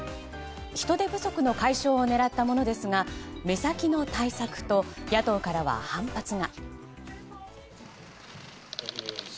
人手不足の解消を狙ったものですが目先の対策と野党からは反発が。